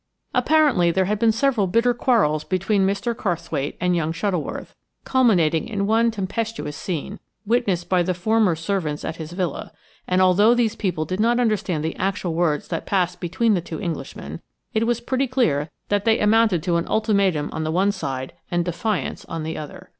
Apparently there had been several bitter quarrels between Mr. Carrthwaite and young Shuttleworth, culminating in one tempestuous scene, witnessed by the former's servants at his villa; and although these people did not understand the actual words that passed between the two Englishmen, it was pretty clear that they amounted to an ultimatum on the one side and defiance on the other.